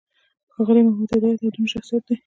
ښاغلی محمد هدایت یو دروند شخصیت دی.